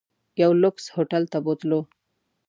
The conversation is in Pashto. یو لوکس هوټل ته بوتلو.